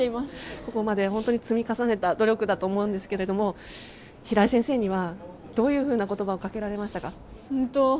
ここまで積み重ねた努力だと思うんですけども平井先生にはどういう言葉をかけられましたか？